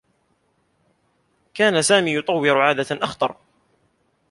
كان سامي يطوّر عادة أخطر.